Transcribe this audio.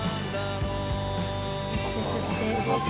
そしてそして。